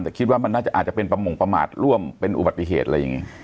แต่คิดว่ามันน่าจะอาจจะเป็นประมงประมาทร่วมเป็นอุบัติเหตุอะไรอย่างนี้